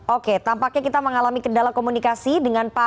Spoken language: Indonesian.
oke tampaknya kita mengalami kendala komunikasi dengan pak